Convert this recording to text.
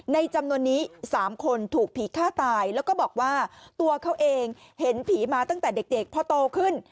จำนวนนี้๓คนถูกผีฆ่าตายแล้วก็บอกว่าตัวเขาเองเห็นผีมาตั้งแต่เด็กพอโตขึ้น